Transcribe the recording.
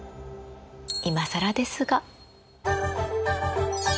いまさらですが。